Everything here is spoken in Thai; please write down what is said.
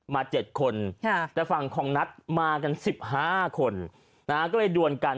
มาเจ็ดคนแต่ฝั่งของนัทมากันสิบห้าคนนะฮะก็เลยด่วนกัน